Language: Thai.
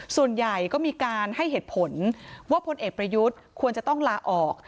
ส่วนใหญ่ก็มีการให้เหตุผลว่าพลเอกประยุทธ์ควรจะต้องลาออก